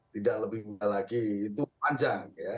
tidak lebih lagi itu panjang ya